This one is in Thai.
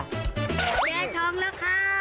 เจอทองแล้วค่ะ